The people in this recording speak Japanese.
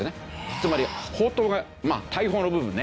つまり砲塔が大砲の部分ね。